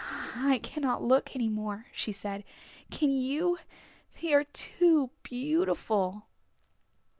"I cannot look any more," she said; "can you? They are too beautiful!"